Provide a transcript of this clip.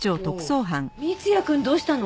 三ツ矢くんどうしたの？